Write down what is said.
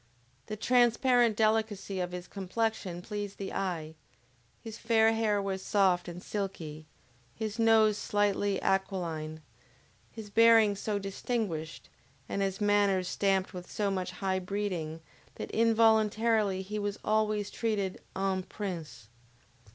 The transparent delicacy of his complexion pleased the eye, his fair hair was soft and silky, his nose slightly aquiline, his bearing so distinguished, and his manners stamped with so much high breeding, that involuntarily he was always treated EN PRINCE.